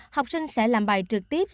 học sinh sẽ làm bài trực tiếp